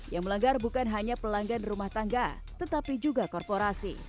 yang melanggar bukan hanya pelanggan rumah tangga tetapi juga korporasi